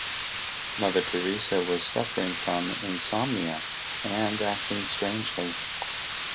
Mother Teresa was suffering from insomnia and acting strangely.